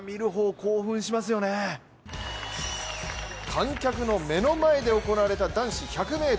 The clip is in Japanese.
観客の目の前で行われた男子１００ｍ。